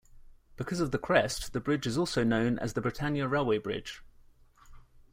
Because of the crest the bridge is also known as the Britannia Railway Bridge.